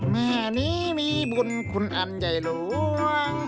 แม่นี้มีบุญคุณอันใหญ่หลวง